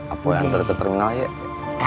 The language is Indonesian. apaan taruh ke terminal ya